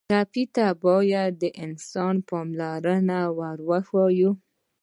ټپي ته باید د انسان پاملرنه ور وښیو.